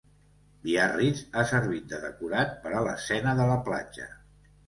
Biarritz ha servit de decorat per a l'escena de la platja.